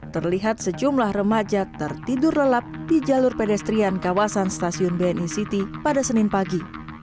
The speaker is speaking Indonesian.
terlihat sejumlah remaja tertidur lelap di jalur pedestrian kawasan stasiun bni city pada senin pagi